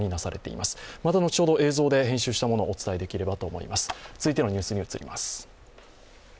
また後ほど映像で編集したものをお伝えできればと思います。